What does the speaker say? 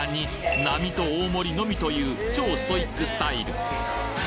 並と大盛のみという超ストイックスタイル！